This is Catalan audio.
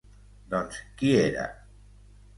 Doncs qui era?